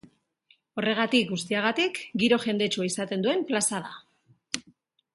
Horregatik guztiagatik, giro jendetsua izaten duen plaza da.